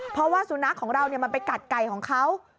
เพราะว่าสุนัขของเรามันไปกัดไก่ของเขา